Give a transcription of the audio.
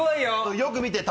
よく見て球。